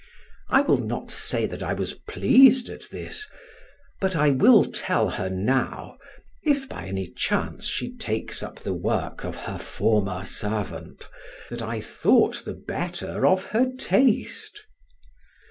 I will not say that I was pleased at this; but I will tell her now, if by any chance she takes up the work of her former servant, that I thought the better of her taste.